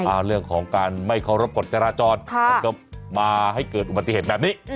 เรื่องของการไม่เคารพกฎจราจรมันก็มาให้เกิดอุบัติเหตุแบบนี้